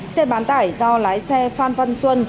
xe bán tải do lái xe phan văn xuân